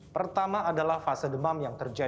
pertama adalah fase demam yang terjadi